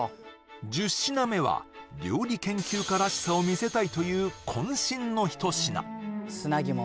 １０品目は料理研究家らしさを見せたいという完成です